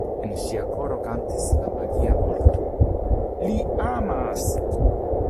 En ŝia koro kantis la magia vorto: „Li amas!